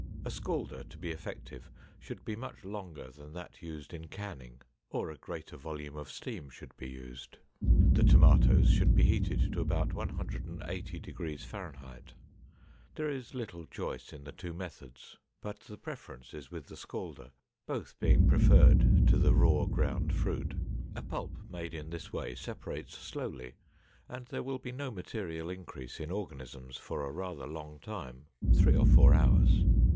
A scalder to be effective should be much longer than that used in canning, or a greater volume of steam should be used. The tomatoes should be heated to about 180 deg. F. There is little choice in the two methods, but the preference is with the scalder, both being preferred to the raw ground fruit. A pulp made in this way separates slowly and there will be no material increase in organisms for a rather long time (three or four hours).